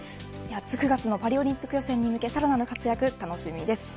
９月のパリオリンピック予選に向けさらなる活躍楽しみです。